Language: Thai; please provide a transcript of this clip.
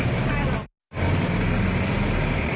ใส่ไว้